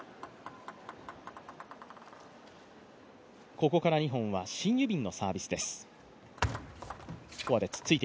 ここから２本はシン・ユビンのサービスです。